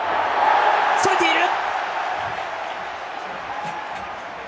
それている！